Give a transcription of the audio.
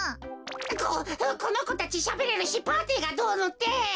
ここのこたちしゃべれるしパーティーがどうのってほら！